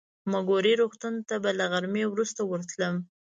مګوري روغتون ته به له غرمې وروسته ورتلم.